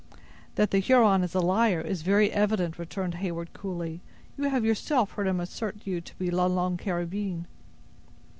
"That the Huron is a liar, is very evident," returned Heyward, coolly; "you have yourself heard him assert you to be La Longue Carabine."